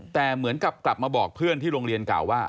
แต่เหมือนกับกลับมาบอกเพื่อนที่โรงเรียนเก่าว่า